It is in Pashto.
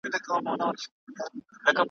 زه او ته به آخر دواړه جنتیان یو `